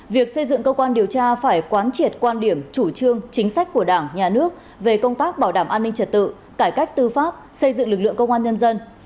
việc xây dựng cơ quan điều tra phải quán triệt quan điểm chủ trương chính sách của đảng nhà nước về công tác bảo đảm an ninh trật tự cải cách tư pháp xây dựng lực lượng công an nhân dân